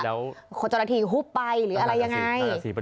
เดี๋ยวคนทรทีหูปไปไม่รู้ยังไง